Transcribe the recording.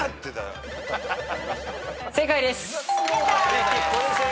正解です。